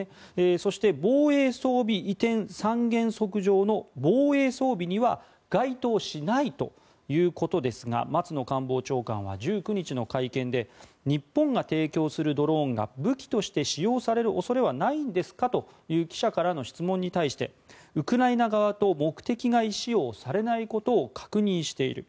そして、防衛装備移転三原則上の防衛装備には該当しないということですが松野官房長官は１９日の会見で日本が提供するドローンが武器として使用される恐れはないんですか？という記者からの質問に対してウクライナ側と目的外使用されないことを確認している。